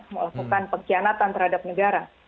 melakukan pengkhianatan terhadap negara